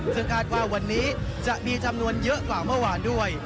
ซึ่งคาดว่าวันนี้จะมีจำนวนเยอะกว่าเมื่อวานด้วย